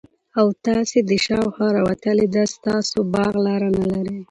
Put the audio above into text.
او تاسي ته دشاخوا راوتلي ده ستاسو باغ لار نلري